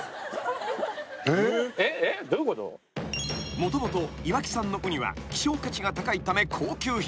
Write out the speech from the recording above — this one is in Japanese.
［もともといわき産のウニは希少価値が高いため高級品］